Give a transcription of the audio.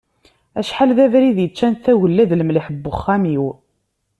Acḥal d abrid i ččant tagella d lemleḥ n uxxam-iw.